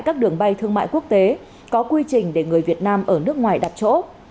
các đường bay thương mại quốc tế có quy trình để người việt nam ở nước ngoài đặt chỗ